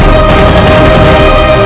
baik ayahanda prabu